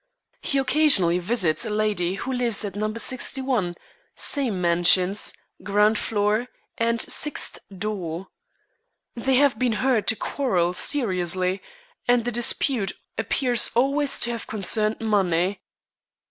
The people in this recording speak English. He occasionally visits a lady who lives at No. 61, same mansions, ground floor, and sixth door. They have been heard to quarrel seriously, and the dispute appears always to have concerned money.